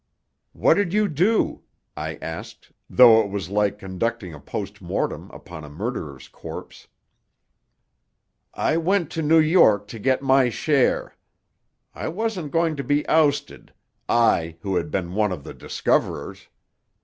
"What did you do?" I asked, though it was like conducting a postmortem upon a murderer's corpse. "I went to New York to get my share. I wasn't going to be ousted, I, who had been one of the discoverers.